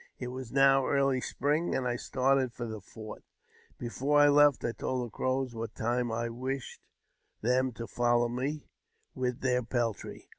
It was now early spring, and I started for the fort. Befor I left, I told the Crows what time I wished them to follow mi with their peltry.